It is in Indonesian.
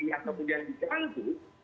yang kemudian dijanggut